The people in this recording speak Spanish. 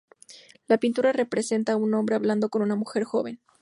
La pintura representa a un hombre hablando con una mujer joven.